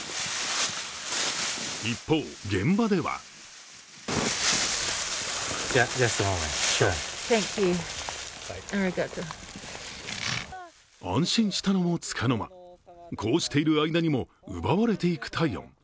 一方、現場では安心したのもつかの間こうしている間にも奪われていく体温。